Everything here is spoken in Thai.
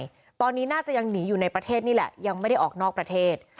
ตอนนี้น่าจะยังหนีอยู่ในประเทศนี่แหละยังไม่ได้ออกนอกประเทศ